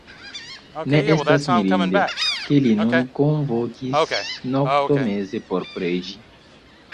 Ne estas mirinde, ke li nin kunvokis noktomeze por preĝi.